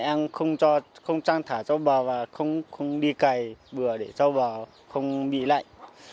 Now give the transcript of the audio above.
em không trang thả châu bò và không đi cày bừa để châu bò không bị lạnh